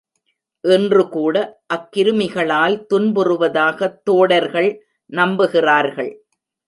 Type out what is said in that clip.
இன்றுகூட அக்கிருமிகளால் துன்புறுவதாகத் தோடர்கள் நம்புகிறார்கள்.